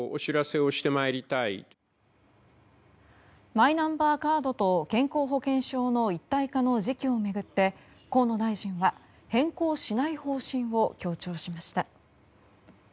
マイナンバーカードと健康保険証の一体化の時期を巡って河野大臣は変更しない方針を強調しました。